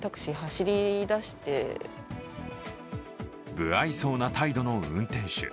無愛想な態度の運転手。